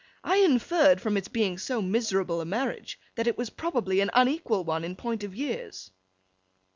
'I inferred, from its being so miserable a marriage, that it was probably an unequal one in point of years.